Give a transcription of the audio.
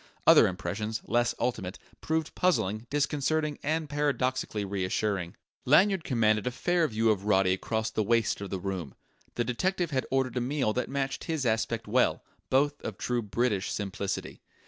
Other impressions, less ultimate, proved puzzling, disconcerting, and paradoxically reassuring. Lanyard commanded a fair view of Roddy across the waist of the room. The detective had ordered a meal that matched his aspect well both of true British simplicity.